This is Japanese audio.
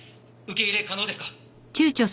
受け入れ可能ですか？